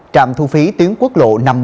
trạm thu phí tiến quốc lộ năm mươi một